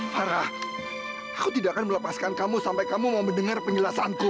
harah aku tidak akan melepaskan kamu sampai kamu mau mendengar penjelasanku